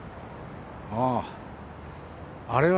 ああ。